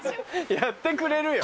「やってくれるよ」？